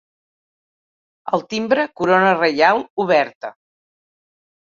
Al timbre corona reial oberta.